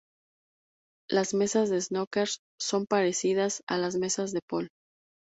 Las mesas de snooker son parecidas a las mesas de pool.